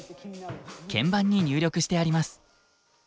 鍵盤に入力してあります。